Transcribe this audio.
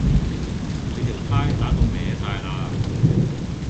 你條呔打到歪哂喇